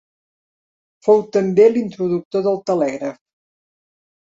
Fou també l'introductor del telègraf.